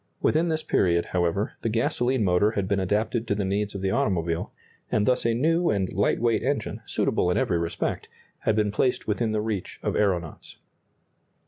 Within this period, however, the gasoline motor had been adapted to the needs of the automobile, and thus a new and light weight engine, suitable in every respect, had been placed within the reach of aeronauts.